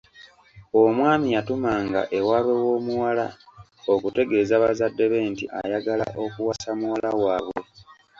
Omwami yatumanga ewaabwe w’omuwala okutegeeza bazadde be nti ayagala okuwasa muwala waabwe.